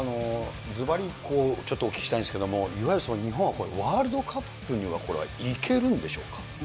ずばりちょっとお聞きしたいんですけれども、いわゆる日本はこれ、ワールドカップにはこれはいけるんでしょうか。